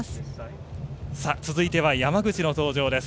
続いては山口の登場です。